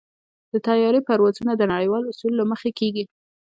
د طیارې پروازونه د نړیوالو اصولو له مخې کېږي.